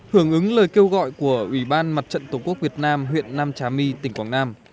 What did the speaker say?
hưởng ứng lời kêu gọi của ủy ban mặt trận tổ quốc việt nam huyện nam trà my tỉnh quảng nam